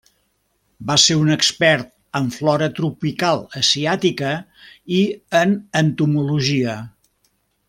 Va ser un expert en flora tropical asiàtica, i en entomologia.